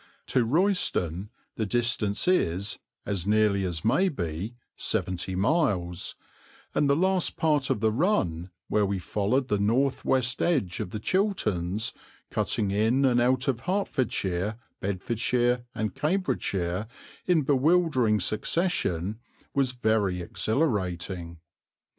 To Royston the distance is, as nearly as may be, seventy miles, and the last part of the run, where we followed the north west edge of the Chilterns, cutting in and out of Hertfordshire, Bedfordshire, and Cambridgeshire in bewildering succession, was very exhilarating.